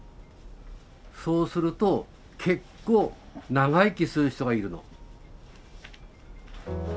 そうすると結構長生きする人がいるの。